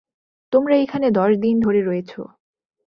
তোমরা এখানে দশ দিন ধরে রয়েছো।